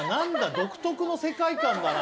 独特の世界観だな。